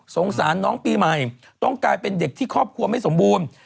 สารน้องปีใหม่ต้องกลายเป็นเด็กที่ครอบครัวไม่สมบูรณ์